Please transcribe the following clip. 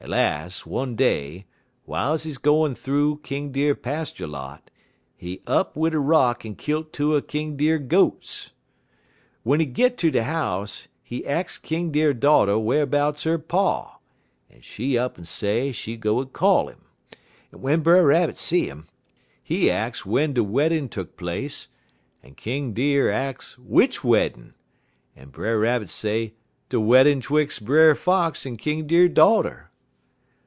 "Las', one day, w'iles he gwine thoo King Deer pastur' lot, he up wid a rock en kilt two er King Deer goats. Wen he git ter de house, he ax King Deer daughter whar'bouts her pa, en she up'n say she go call 'im, en w'en Brer Rabbit see 'im, he ax w'en de weddin' tuck place, en King Deer ax w'ich weddin', en Brer Rabbit say de weddin' 'twix' Brer Fox en King Deer daughter.